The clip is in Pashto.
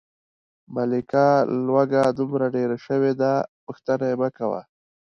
ملکه لوږه دومره ډېره شوې ده، پوښتنه یې مکوه.